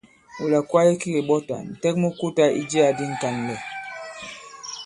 Wula kwaye ki kèɓɔtà, ǹtɛk mu kùta i jiyā di ŋ̀kànlɛ̀.